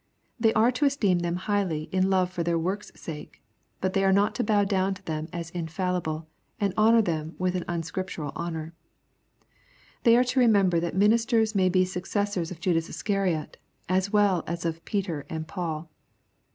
They are to esteem them highly in love for their work's sake, but they are not to bow down to them as infallible, and honor them with an unscriptural honor. They are to remember that ministers may be successors of Judas Iscariot, as well as of Peter and Paul.